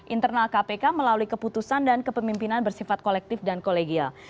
internal kpk melalui keputusan dan kepemimpinan bersifat kolektif dan kolegial